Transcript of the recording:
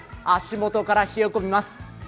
足元から冷え込みます。